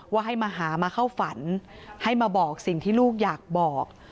ให้มาหามาเข้าฝันให้มาบอกสิ่งที่ลูกอยากบอก